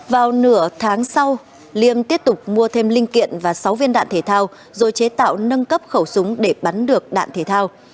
vào nửa tháng sau liêm tiếp tục mua thêm linh kiện và sáu viên đạn thể thao rồi chế tạo nâng cấp khẩu súng để bắn được đạn thể thao